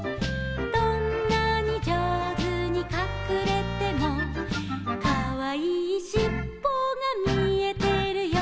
「どんなに上手にかくれても」「かわいいしっぽが見えてるよ」